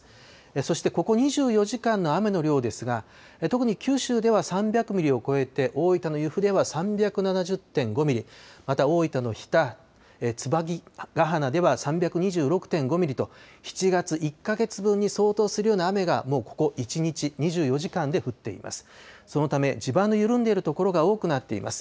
そしてここ２４時間の雨の量ですが、特に九州では３００ミリを超えて、大分の由布では３７０．５ミリ、また、大分の日田、椿ケ鼻３２６．５ミリと、７月１か月分に相当するような雨がもうここ１日、２４時間で降っています。